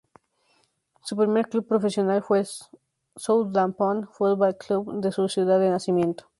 Su primer club profesional fue el Southampton Football Club de su ciudad de nacimiento.